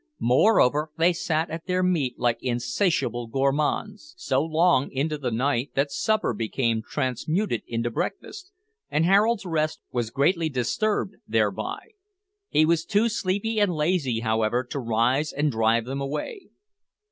Moreover, they sat at their meat like insatiable gourmands, so long into the night that supper became transmuted into breakfast, and Harold's rest was greatly disturbed thereby. He was too sleepy and lazy, however, to rise and drive them away.